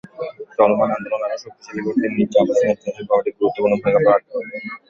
চলমান আন্দোলন আরও শক্তিশালী করতে মির্জা আব্বাসের নেতৃত্বাধীন কমিটি গুরুত্বপূর্ণ ভূমিকা রাখবে।